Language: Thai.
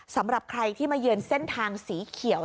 สำหรับใครที่มาเยือนเส้นทางสีเขียว